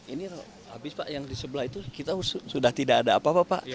ini habis pak yang di sebelah itu kita sudah tidak ada apa apa pak